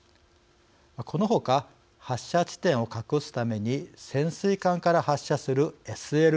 この他、発射地点を隠すために潜水艦から発射するＳＬＢＭ